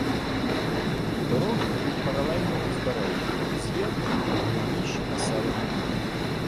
Дороги йдуть паралельно узбережжю і з'єднують найголовніші населені пункти.